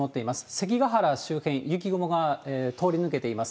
関ケ原周辺、雪雲が通り抜けています。